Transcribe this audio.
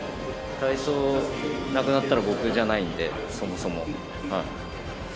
体操なくなったら、僕じゃないんで、そもそも。